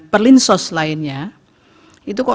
perlinsos lainnya itu kok